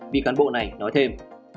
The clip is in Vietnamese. vị cán bộ này nói thêm